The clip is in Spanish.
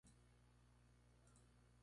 Viven en agua dulce y salobre.